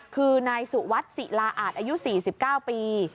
คือนายสุวัสดิ์ศิลาอาจอายุ๔๙ปี